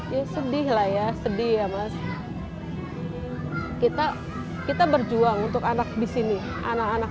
ya sedih lah ya sedih ya mas kita kita berjuang untuk anak di sini anak anak